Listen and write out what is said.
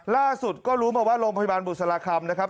ล่าสุดก็รู้มาว่าโรงพยาบาลบุษราคำนะครับ